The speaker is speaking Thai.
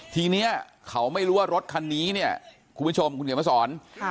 ทีนี้เขาไม่รู้ว่ารถคันนี้เนี่ยคุณผู้ชมคุณเขียนมาสอน